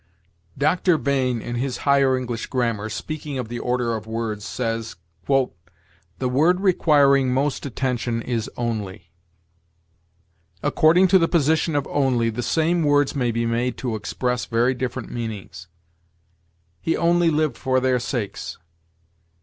Dr. Bain, in his "Higher English Grammar," speaking of the order of words, says: "The word requiring most attention is only. "According to the position of only, the same words may be made to express very different meanings. "'He only lived for their sakes.'